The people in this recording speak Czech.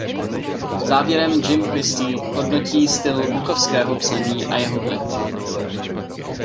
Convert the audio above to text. Závěrem Jim Christy hodnotí styl Bukowského psaní a jeho vliv.